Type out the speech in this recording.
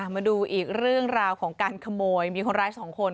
มาดูอีกเรื่องราวของการขโมยมีคนร้ายสองคน